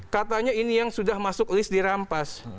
katanya ini yang sudah masuk list dirampas